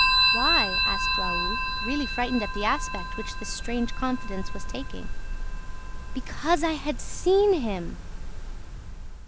"Why?" asked Raoul, really frightened at the aspect which this strange confidence was taking. "BECAUSE I HAD SEEN HIM!"